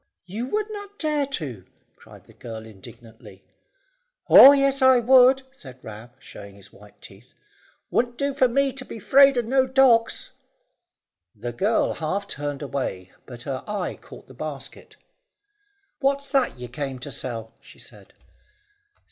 "You would not dare to," cried the girl indignantly. "Oh yes, I would," said Ram, showing his white teeth. "Wouldn't do for me to be 'fraid of no dogs." The girl half turned away, but her eye caught the basket. "What's that you came to sell?" she said.